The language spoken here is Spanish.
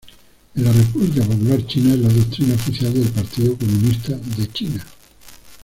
En la República Popular China es la doctrina oficial del Partido Comunista de China.